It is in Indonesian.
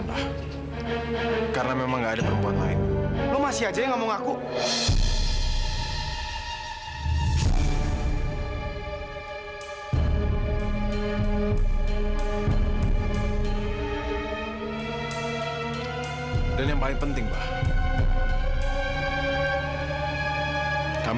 oke gue mau baca